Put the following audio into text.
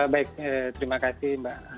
baik terima kasih mbak